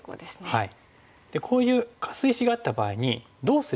はい。